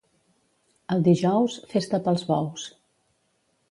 El dijous, festa pels bous.